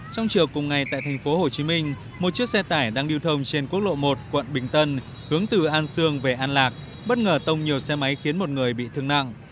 trong chiều cùng ngày tại thành phố hồ chí minh một chiếc xe tải đang điêu thông trên quốc lộ một quận bình tân hướng từ an sương về an lạc bất ngờ tông nhiều xe máy khiến một người bị thương nặng